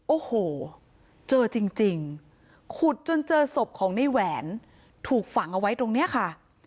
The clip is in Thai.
โอ้โหเจอจริงขุดจนเจอศพของในแหวนถูกฝังเอาไว้ตรงนี้ค่ะ